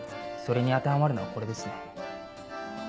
それに当てはまるのはこれですね。